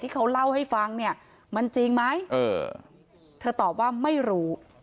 เขาเล่าให้ฟังเนี่ยมันจริงไหมเออเธอตอบว่าไม่รู้